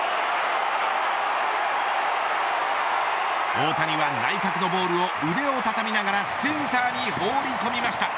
大谷は、内角のボールを腕を畳みながらセンターに放り込みました。